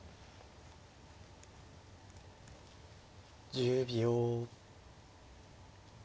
１０秒。